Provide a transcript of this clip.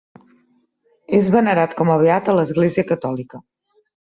És venerat com a beat a l'Església Catòlica.